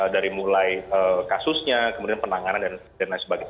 dari mulai kasusnya kemudian penanganan dan lain sebagainya